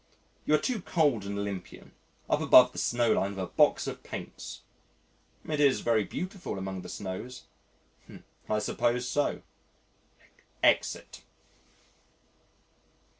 You are too cold and Olympian, up above the snowline with a box of paints." "It is very beautiful among the snows." "I suppose so." (Exit.)